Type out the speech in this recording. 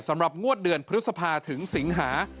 สำหรับงวดเดือนพฤษภาถึงสิงหา